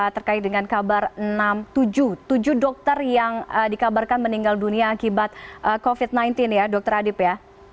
terkait dengan kabar tujuh dokter yang dikabarkan meninggal dunia akibat covid sembilan belas ya dokter adib ya